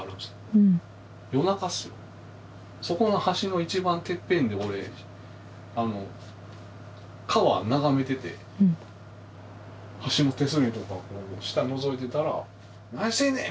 そこの橋の一番てっぺんで俺川眺めてて橋の手すりとかをこう下のぞいてたら「何してんねん！」